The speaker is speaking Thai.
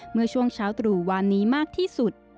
เมื่อช่วงเช้าตรู่วานนี้มากที่สุด